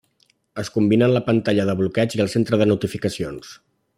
Es combinen la pantalla de bloqueig i el centre de notificacions.